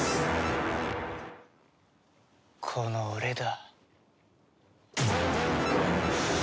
この俺だ。